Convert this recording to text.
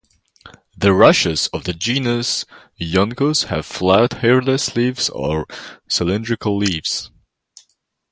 The rushes of the genus "Juncus" have flat, hairless leaves or cylindrical leaves.